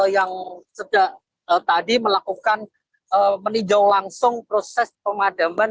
yang sejak tadi melakukan meninjau langsung proses pemadaman